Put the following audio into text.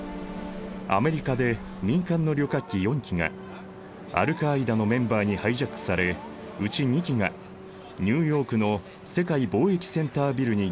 アメリカで民間の旅客機４機がアルカーイダのメンバーにハイジャックされうち２機がニューヨークの世界貿易センタービルに激突。